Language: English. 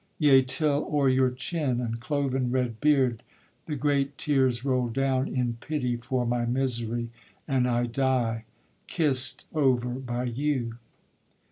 yea, till o'er your chin, And cloven red beard the great tears roll down In pity for my misery, and I die, Kissed over by you.